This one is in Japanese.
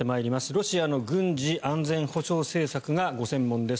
ロシアの軍事・安全保障政策がご専門です。